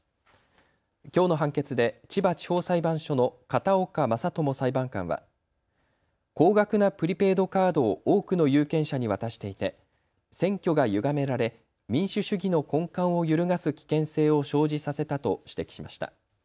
きょうの判決で千葉地方裁判所の片岡理知裁判官は高額なプリペイドカードを多くの有権者に渡していて選挙がゆがめられ民主主義の根幹を揺るがす危険性を生じさせたと指摘しました。